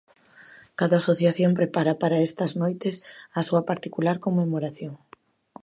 Cada asociación prepara para estas noites a súa particular conmemoración.